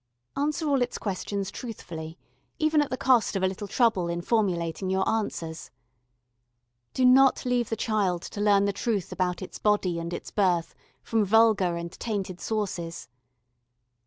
Answer all its questions truthfully, even at the cost of a little trouble in formulating your answers. Do not leave the child to learn the truth about its body and its birth from vulgar and tainted sources.